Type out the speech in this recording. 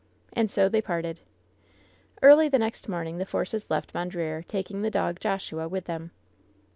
And so they parted. Early the next morning the Forces left Mondreer, taking the dog, Joshua, with them.